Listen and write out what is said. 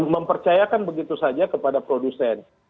mempercayakan begitu saja kepada produsen